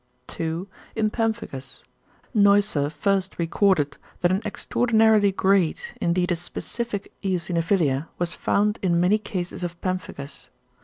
2. =In pemphigus.= Neusser first recorded that an extraordinarily great, indeed a specific eosinophilia was found in many cases of pemphigus.